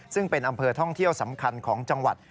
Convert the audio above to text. ซึ่งเป็นอำเภอท่องเที่ยวสำคัญของจังหวัด